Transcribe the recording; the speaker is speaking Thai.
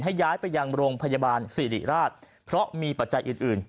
ย้ายไปยังโรงพยาบาลสิริราชเพราะมีปัจจัยอื่นอื่น